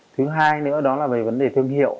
thứ hai nữa đó là về vấn đề thương hiệu